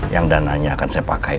yang dananya akan saya pakai